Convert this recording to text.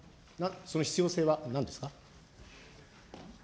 その必要性はなんですか。